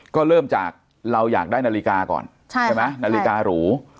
ก็เริ่มจากเราอยากได้นาฬิกาก่อนใช่ไหมนาฬิการู